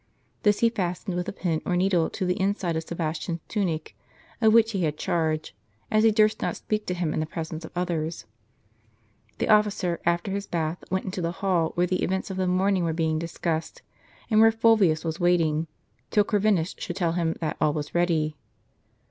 This he fastened with a pin or needle to the inside of Sebas tian's tunic, of which he had charge, as he durst not speak to him in the j^resence of others. The officer, after his bath, went into the hall where the events of the morning were being discussed, and where Fulvius was waiting, till Corvinus should tell him that all was ready.